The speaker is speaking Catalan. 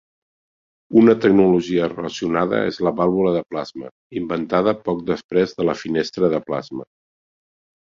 Una tecnologia relacionada és la vàlvula de plasma, inventada poc després de la finestra de plasma.